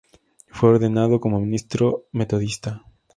Fue ordenado como ministro metodista.